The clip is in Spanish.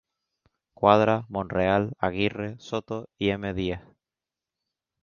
Cuadra, Monreal, Aguirre, Soto y M. Díaz.